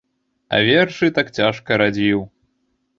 А вершы так цяжка радзіў.